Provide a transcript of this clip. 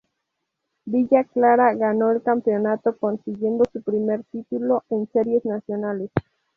Villa Clara ganó el campeonato consiguiendo su primer título en Series Nacionales.